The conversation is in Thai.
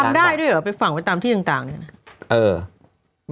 ได้ด้วยเหรอไปฝังไว้ตามที่ต่างเนี่ยนะ